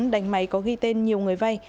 đánh máy có ghi tên nhiều người vay